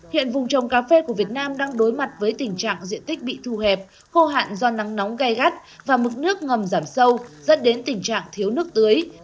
hiện vùng trồng cà phê của việt nam đang đối mặt với tình trạng diện tích bị thu hẹp khô hạn do nắng nóng gai gắt và mức nước ngầm giảm sâu dẫn đến tình trạng thiếu nước tưới